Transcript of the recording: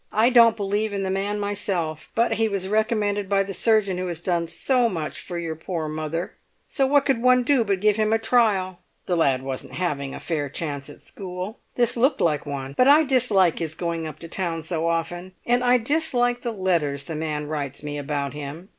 "I don't believe in the man myself; but he was recommended by the surgeon who has done so much for your poor mother, so what could one do but give him a trial? The lad wasn't having a fair chance at school. This looked like one. But I dislike his going up to town so often, and I dislike the letters the man writes me about him.